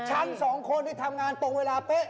ฉันสองคนที่ทำงานตรงเวลาเป๊ะ